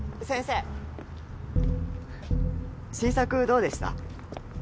新作どうでした？